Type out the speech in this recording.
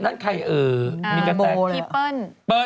นั่นใครเออมีกะแต๊อ่าพี่เปิ้น